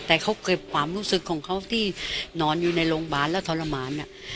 แต่เขาเก็บความรู้สึกของเขาที่นอนอยู่ในโรงพยาบาลแล้วทรมาน